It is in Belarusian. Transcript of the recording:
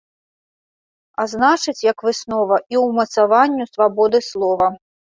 А значыць, як выснова, і ўмацаванню свабоды слова.